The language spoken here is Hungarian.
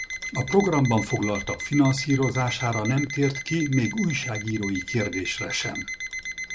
A programban foglaltak finanszírozására nem tért ki még újságírói kérdésre sem.